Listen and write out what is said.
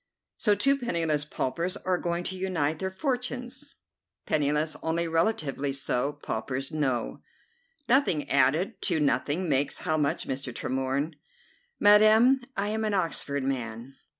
"So two penniless paupers are going to unite their fortunes!" "Penniless, only relatively so; paupers, no." "Nothing added to nothing makes how much, Mr. Tremorne?" "Madam, I am an Oxford man."